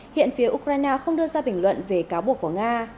hiện phía ukraine không đưa ra bình luận về cáo buộc của nga